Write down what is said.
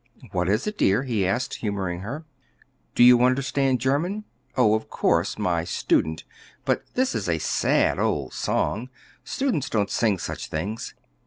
"What is it, dear?' he asked, humoring her. "Do you understand German? Oh, of course, my student; but this is a sad old song; students don't sing such things.